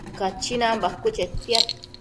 Cachinan bacuë chetiad